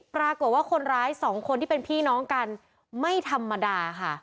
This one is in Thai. ปรากฏว่าคนร้ายสองคนที่เป็นพี่น้องกันไม่ธรรมดาค่ะ